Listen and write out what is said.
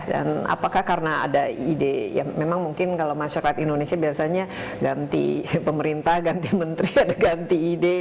dan apakah karena ada ide ya memang mungkin kalau masyarakat indonesia biasanya ganti pemerintah ganti menteri ganti ide